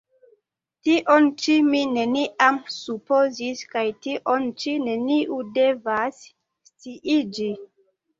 tion ĉi mi neniam supozis kaj tion ĉi neniu devas sciiĝi!